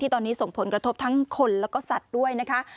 ตอนนี้ส่งผลกระทบทั้งคนแล้วก็สัตว์ด้วยนะคะ